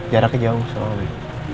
jaraknya jauh soalnya